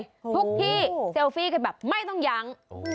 ทุกที่เซลฟี่กันแบบไม่ต้องยั้ง